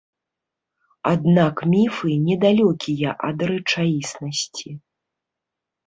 Аднак міфы недалёкія ад рэчаіснасці.